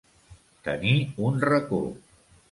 Tenir un racó.